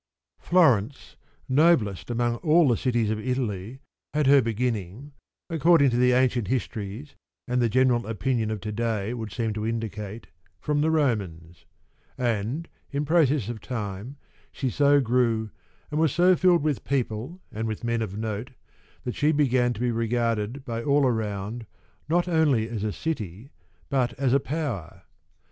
FLORENCE, noblest amongst all the cities of Italy, had her beginning, according as the ancient histories and the general opinion of to day would seem to indi cate, from the Romans ; and in process of time she so grew, and was so filled with people and with men of note, that she began to be regarded by all around not only as a city but as a power.